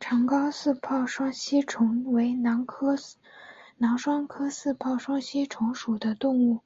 长睾似泡双吸虫为囊双科似泡双吸虫属的动物。